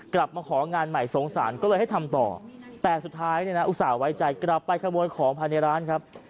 กลับมาของานใหม่สงสารก็เลยให้ทำต่อแต่สุดท้ายเนี่ยนะอุตส่าห์ไว้ใจกลับไปขโมยของภายในร้านครับ